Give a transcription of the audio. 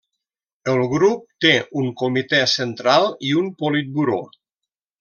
El grup té un Comitè Central i un Politburó.